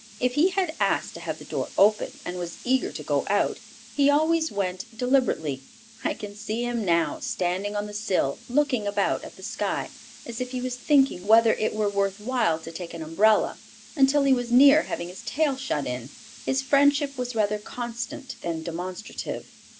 If he had asked to have the door opened, and was eager to go out, he always went deliberately; I can see him now, standing on the sill, looking about at the sky as if he was thinking whether it were worth while to take an umbrella, until he was near having his tail shut in. His friendship was rather constant than demonstrative.